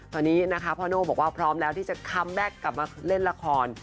ตอนนี้นะคะพ่อโน่บอกว่าพร้อมแล้วที่จะคัมแบ็คกลับมาเล่นละคร